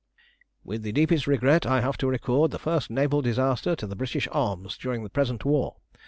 With the deepest regret I have to record the first naval disaster to the British arms during the present war.